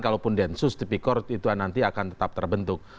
kalaupun densus tipikor itu nanti akan tetap terbentuk